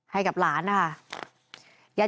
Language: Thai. ให้กับหลานนะคะ